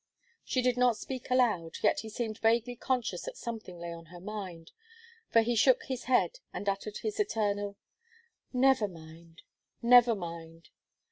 She did not speak aloud, yet he seemed vaguely conscious that something lay on her mind; for he shook his head, and uttered his eternal "Never mind never mind!"